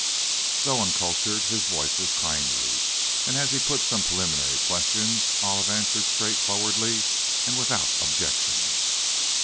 Though uncultured, his voice was kindly, and as he put some preliminary questions Olive answered straightforwardly and without objection.